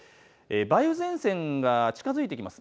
梅雨前線が近づいてきます。